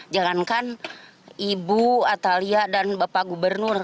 jangankan ibu atalia dan bapak gubernur